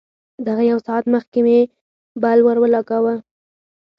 دغه يو ساعت مخکې مې بل ورولګاوه.